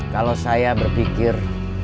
kalau saya berpikir